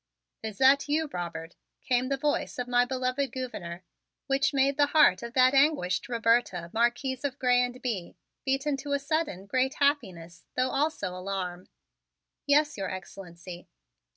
"Is that you, Robert?" came the voice of my beloved Gouverneur, which made the heart of that anguished Roberta, Marquise of Grez and Bye, beat into a sudden great happiness though also alarm. "Yes, Your Excellency."